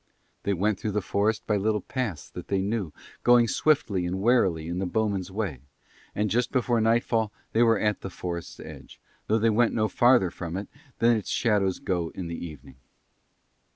They went through the forest by little paths that they knew, going swiftly and warily in the bowmen's way: and just before nightfall they were at the forest's edge, though they went no farther from it than its shadows go in the evening.